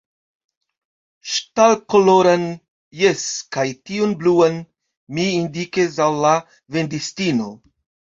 Ŝtalkoloran, jes, kaj tiun bluan, – mi indikis al la vendistino.